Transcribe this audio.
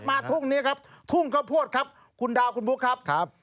ทุ่งนี้ครับทุ่งข้าวโพดครับคุณดาวคุณบุ๊คครับ